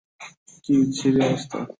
কি বিচ্ছিরি অবস্থা!